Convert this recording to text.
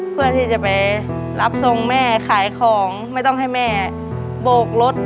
เพื่อที่จะไปรับทรงแม่ขายของไม่ต้องให้แม่โบกรถ